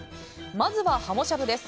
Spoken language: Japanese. まずは、はもしゃぶです。